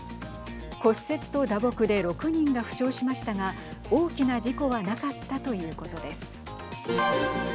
骨折と打撲で６人が負傷しましたが大きな事故はなかったということです。